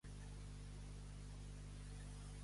A Càrcer, granotes.